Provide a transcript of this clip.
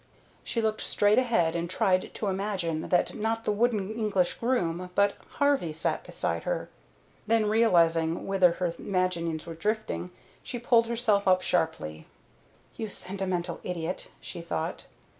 She looked straight ahead and tried to imagine that not the wooden English groom, but Harvey, sat beside her. Then realizing whither her imaginings were drifting, she pulled herself up sharply. "You sentimental idiot!" she thought.